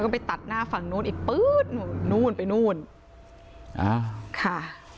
ก็ไปตัดหน้าฝั่งนู้นอีกปื๊ดนู่นไปนู่นอ่าค่ะ